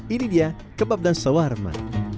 ini dia kebab dan sawarma